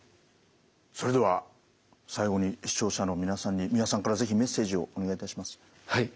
それでは最後に視聴者の皆さんに三輪さんから是非メッセージをお願いいたします。